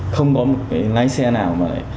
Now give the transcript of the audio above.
không có một cái lái xe nào mà lại